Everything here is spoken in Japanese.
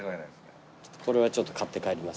これはちょっと買って帰ります。